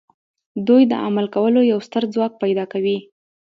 دوی د عمل کولو یو ستر ځواک پیدا کوي